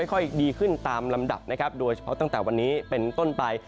ค่อยดีขึ้นตามลำดับนะครับโดยเฉพาะตั้งแต่วันนี้เป็นต้นไป